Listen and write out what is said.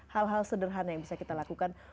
hal hal sederhana yang bisa kita lakukan